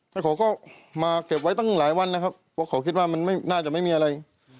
แล้วเขาก็มาเก็บไว้ตั้งหลายวันนะครับเพราะเขาคิดว่ามันไม่น่าจะไม่มีอะไร